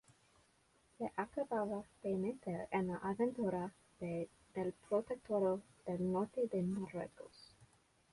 Se acababa de meter en la aventura del protectorado del norte de Marruecos.